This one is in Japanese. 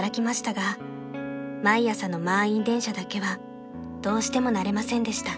［毎朝の満員電車だけはどうしても慣れませんでした］